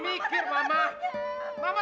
agung yang dicari satria hilang